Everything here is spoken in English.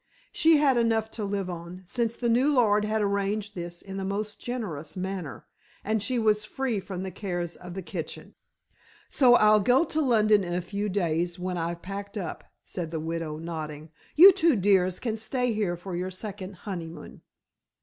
She had enough to live on since the new lord had arranged this in a most generous manner and she was free from the cares of the kitchen. "So I'll go to London in a few days when I've packed up," said the widow nodding, "you two dears can stay here for your second honeymoon."